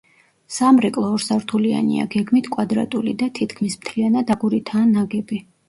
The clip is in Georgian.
სამრეკლო ორსართულიანია გეგმით კვადრატული და თითქმის მთლიანად აგურითაა ნაგები.